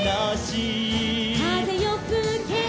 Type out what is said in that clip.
「かぜよふけ」